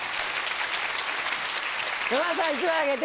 山田さん１枚あげて。